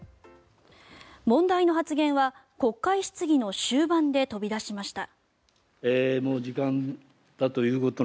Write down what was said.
問題の発言は国会質疑の終盤で飛び出しました。